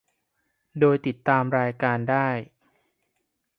โดยติดตามรายการได้